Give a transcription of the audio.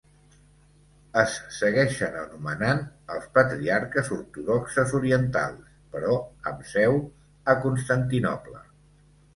Es segueixen anomenant els patriarques ortodoxes orientals, però amb seu a Constantinoble.